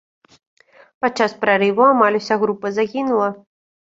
Падчас прарыву амаль уся група загінула.